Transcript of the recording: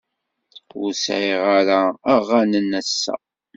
Ur sɛiɣ ara aɣanen ass-a.